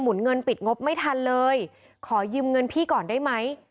เงินปิดงบไม่ทันเลยขอยืมเงินพี่ก่อนได้ไหม